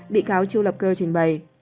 bị cáo chu lập cơ trình bày